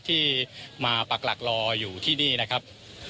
ที่มาปักหลักรออยู่ที่นี่นะครับ